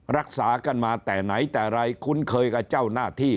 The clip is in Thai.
รักษากันมาแต่ไหนแต่ไรคุ้นเคยกับเจ้าหน้าที่